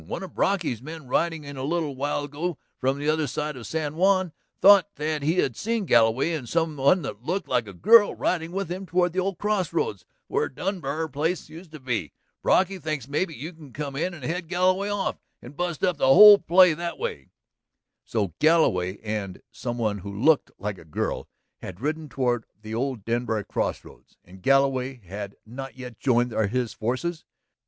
One of Brocky's men riding in a little while ago from the other side of San Juan thought that he had seen Galloway and some one that looked like a girl riding with him toward the old crossroads where the Denbar place used to be. Brocky thinks maybe you can come in and head Galloway off and bust up the whole play that way." So Galloway and "some one who looked like a girl" had ridden toward the old Denbar cross roads. And Galloway had not yet joined his forces.